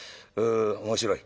面白い。